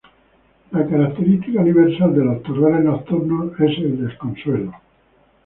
La característica universal de los terrores nocturnos es el desconsuelo.